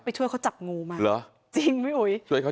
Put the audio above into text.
ผู้ช่วยเขาจับงูมา